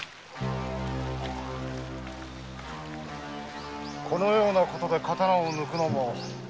このようなことで刀を抜くのも生計のため。